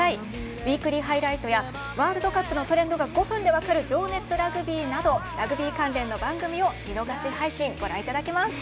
「ウィークリーハイライト」やワールドカップのトレンドが５分で分かる「情熱ラグビー」などラグビー関連の番組を見逃し配信、ご覧いただけます。